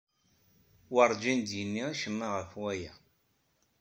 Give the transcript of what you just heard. Werǧin d-yenni acemma ɣef waya.